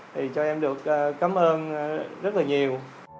thì cho em được cảm ơn rất là nhiều